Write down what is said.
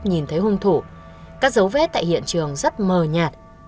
nhìn thấy hung thủ các dấu vết tại hiện trường rất mờ nhạt